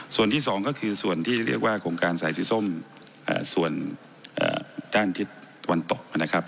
ส่วนที่สองก็คือส่วนที่เรียกว่าโครงการสายสีส้มส่วนด้านทิศตะวันตกนะครับ